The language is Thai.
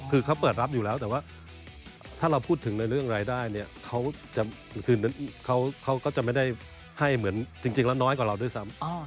คือเขาเปิดรับอยู่แล้วแต่ว่าถ้าเราพูดถึงในเรื่องรายได้เนี่ยคือเขาก็จะไม่ได้ให้เหมือนจริงแล้วน้อยกว่าเราด้วยซ้ำ